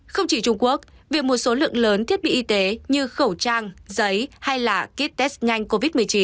không chỉ trung quốc việc một số lượng lớn thiết bị y tế như khẩu trang giấy hay là kit test nhanh covid một mươi chín